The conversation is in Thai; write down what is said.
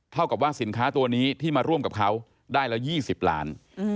เท่ากับว่าสินค้าตัวนี้ที่มาร่วมกับเขาได้ละ๒๐ล้าน